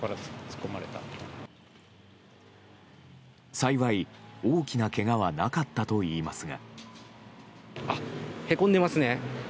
幸い、大きなけがはなかったといいますが。